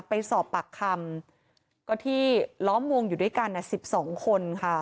ไปสอบปากคำก็ที่ล้อมวงอยู่ด้วยกัน๑๒คนค่ะ